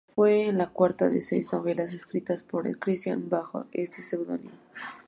Fue la cuarta de seis novelas escritas por Christie bajo este seudónimo.